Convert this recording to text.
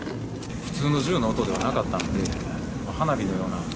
普通の銃の音ではなかったんで、花火のような。